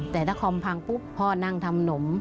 แต่ถ้าคอมพังปุ๊บพ่อนั่งทำหนม